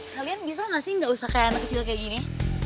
kalian bisa masih enggak usah kayak gini